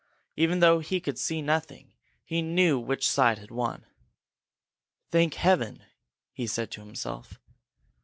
Even though he could see nothing, he knew which side had won. "Thank Heaven!" he said to himself.